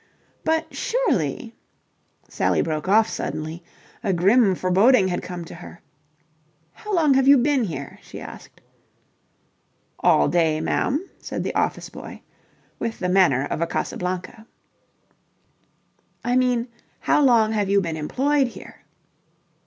"But surely..." Sally broke off suddenly. A grim foreboding had come to her. "How long have you been here?" she asked. "All day, ma'am," said the office boy, with the manner of a Casablanca. "I mean, how long have you been employed here?"